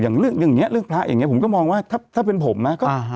อย่างเรื่องอย่างนี้เรื่องพระอย่างนี้ผมก็มองว่าถ้าเป็นผมนะ